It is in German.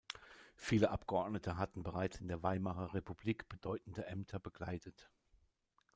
Viele Abgeordnete hatten bereits in der Weimarer Republik bedeutende Ämter bekleidet.